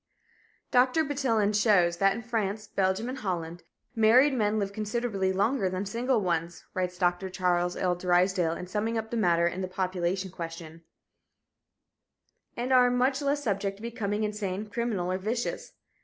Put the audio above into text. "Dr. Bertillon shows that in France, Belgium and Holland married men live considerably longer than single ones," writes Dr. Charles R. Drysdale, in summing up the matter in "The Population Question" "and are much less subject to becoming insane, criminal or vicious."